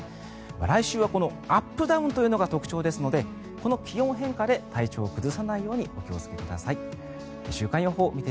来週はアップダウンというのが特徴ですのでこの気温変化で体調を崩さないようにお気をつけください。